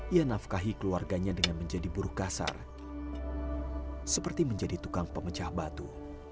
ia nafkahi keluarganya dengan menjadi buruh kasar seperti menjadi tukang pemecah batu